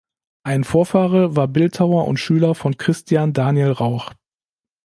Ein Vorfahre war Bildhauer und Schüler von Christian Daniel Rauch.